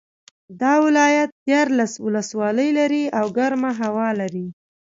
دا ولایت دیارلس ولسوالۍ لري او ګرمه هوا لري